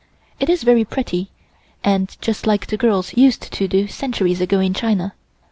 It is very pretty, and just like the girls used to do centuries ago in China.